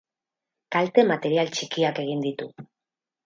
Kalte material txikiak egin ditu.